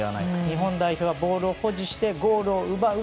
日本代表がボールを保持してゴールを奪う。